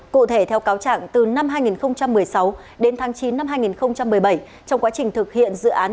cụ thể theo cáo trạng từ năm hai nghìn một mươi sáu đến tháng chín năm hai nghìn một mươi bảy trong quá trình thực hiện dự án